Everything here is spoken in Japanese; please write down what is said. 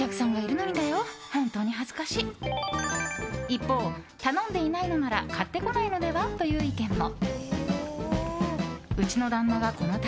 一方、頼んでいないのなら買ってこないのでは？という意見も。